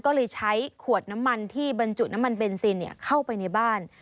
ก็เลยใช้ขวดน้ำมันที่บรรจุน้ำมันเบนซินเข้าไปในบ้าน